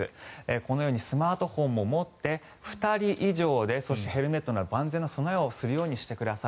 このようにスマートフォンも持って２人以上でそしてヘルメットなど万全な備えをするようにしてください。